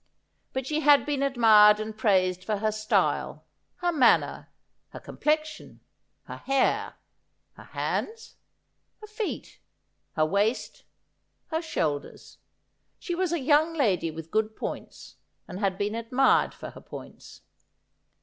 But she had been admired and praised for her style, her manner, her complexion, her hair, her hands, her feet, her waist, her shoulders. She was a young lady with good points, and had been admired for her points.